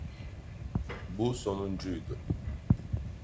Bu sonuncuydu.